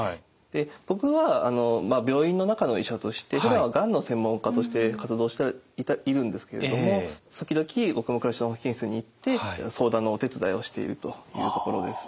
僕は病院の中の医者としてふだんはがんの専門家として活動しているんですけれども時々僕も「暮らしの保健室」に行って相談のお手伝いをしているというところです。